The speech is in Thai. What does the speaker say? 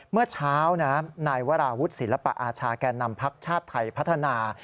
เมื่อเช้านายวราวุฒิศิลปะอาชาแก่นำพักชาติไทยพัฒนา